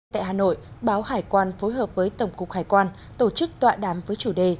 tại hà nội báo hải quan phối hợp với tổng cục hải quan tổ chức tọa đàm với chủ đề